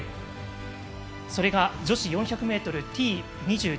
それが、女子４００ｍＴ２１